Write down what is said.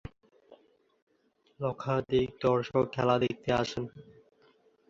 লক্ষাধিক দর্শক খেলা দেখতে আসেন।